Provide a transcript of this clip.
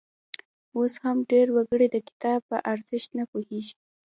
اوس هم ډېر وګړي د کتاب په ارزښت نه پوهیږي.